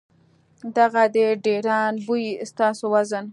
دغه د ډېران بوئي ستاسو وزن ،